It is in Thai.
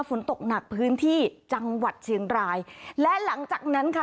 ฝนตกหนักพื้นที่จังหวัดเชียงรายและหลังจากนั้นค่ะ